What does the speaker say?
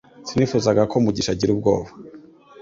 Sinifuzaga ko mugisha agira ubwoba